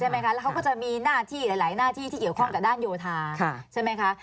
แล้วเขาก็จะมีหน้าที่หลายหน้าที่ที่เกี่ยวข้องกับด้านโยธาใช่ไหมคะ